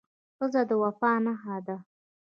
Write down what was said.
ښځه د وفا نښه ده.